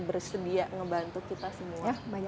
bersedia ngebantu kita semua